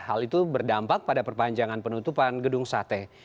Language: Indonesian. hal itu berdampak pada perpanjangan penutupan gedung sate